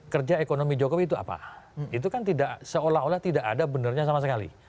kerja ekonomi jokowi itu apa itu kan tidak seolah olah tidak ada benarnya sama sekali